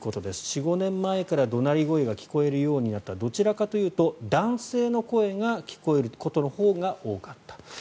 ４５年前から怒鳴り声が聞こえるようになったどちらかというと男性の声が聞こえることのほうが多かった。